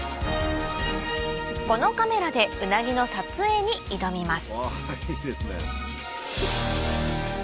このカメラでウナギの撮影に挑みます